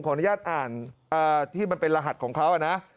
อนุญาตอ่านที่มันเป็นรหัสของเขานะ